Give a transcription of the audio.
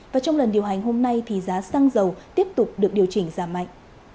và trong lần điều hành hôm nay thì giá xăng dầu tiếp tục được điều chỉnh giảm mạnh